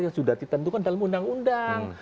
yang sudah ditentukan dalam undang undang